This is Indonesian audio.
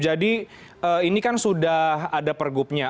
jadi ini kan sudah ada pergubnya